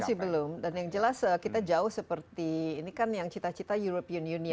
masih belum dan yang jelas kita jauh seperti ini kan yang cita cita european union